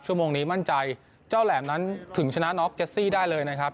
โมงนี้มั่นใจเจ้าแหลมนั้นถึงชนะน็อกเจสซี่ได้เลยนะครับ